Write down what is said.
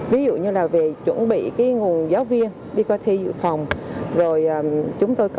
ví dụ như là về chuẩn bị nguồn giáo viên đi qua thi dự phòng